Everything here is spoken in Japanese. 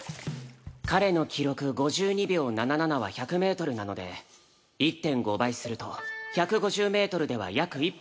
彼の記録５２秒７７は１００メートルなので１．５倍すると１５０メートルでは約１分１９秒２。